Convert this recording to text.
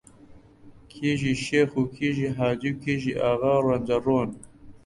کیژی شێخ و کیژی حاجی و کیژی ئاغا ڕەنجەڕۆن